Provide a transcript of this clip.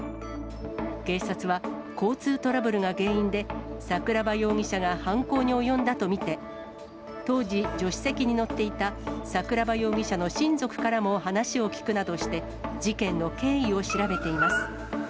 警察は交通トラブルが原因で桜庭容疑者が犯行に及んだと見て、当時、助手席に乗っていた桜庭容疑者の親族からも話を聴くなどして、事件の経緯を調べています。